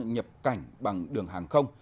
nhập cảnh bằng đường hàng không